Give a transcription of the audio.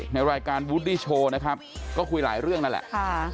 ในรายการวูดดี้โชว์นะครับก็คุยหลายเรื่องนั่นแหละค่ะ